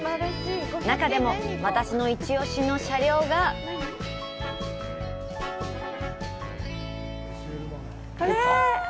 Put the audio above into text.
中でも私のイチオシの車両が。これー！